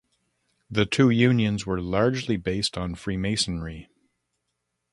The two unions were largely based on freemasonry.